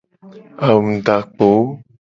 Angudakpo.